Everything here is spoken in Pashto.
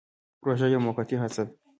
پروژه یوه موقتي هڅه ده